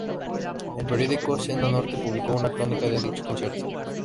El periódico Senda Norte publicó una crónica de dicho concierto.